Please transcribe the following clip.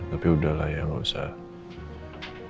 tapi udahlah ya nggak usah